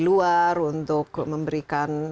luar untuk memberikan